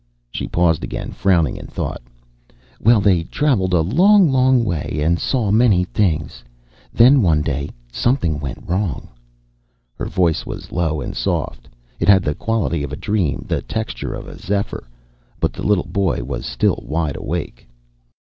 She paused again, frowning in thought. "Well, they traveled a long, long way and saw many things. Then one day something went wrong." Her voice was low and soft. It had the quality of a dream, the texture of a zephyr, but the little boy was still wide awake.